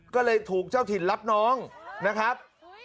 ก็เลยถูกเจ้าถิ่นรับน้องนะครับ